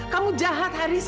kamu jahat haris